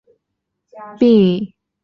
病童亦会出现发大性心脏肌肉病变。